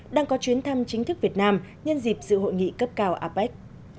đang có chuyến thăm chính thức việt nam nhân dịp dự hội nghị cấp cao apec